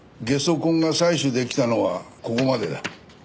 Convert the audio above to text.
ゲソ痕が採取出来たのはここまでだ。